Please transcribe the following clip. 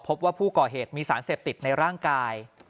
พบว่าผู้ก่อเหตุมีสารเสพติดในร่างกาย